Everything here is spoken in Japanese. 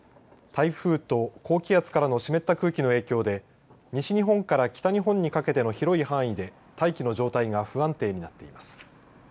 台風と高気圧からの湿った空気の影響で西日本から北日本にかけての広い範囲で大気の状態が不安定になっています。